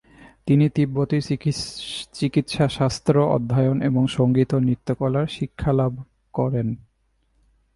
তিনি তিব্বতী চিকিৎসাশাস্ত্র অধ্যয়ন এবং সঙ্গীত ও নৃত্যকলার শিক্ষালাভক করেন।